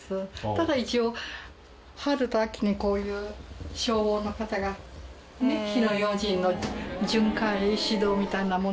ただ一応春と秋にこういう消防の方が火の用心の巡回指導みたいなものはありますけど。